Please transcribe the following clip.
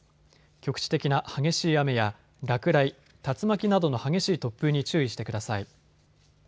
局地的な激しい雨や落雷、竜巻などの激しい突風に注意してください。